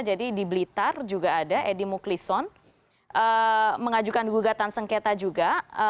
jadi di blitar juga ada edi muklison mengajukan gugatan sengketa juga